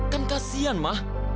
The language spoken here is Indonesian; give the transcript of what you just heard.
kan kasian ma